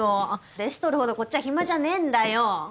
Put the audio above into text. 弟子とるほどこっちは暇じゃねえんだよ。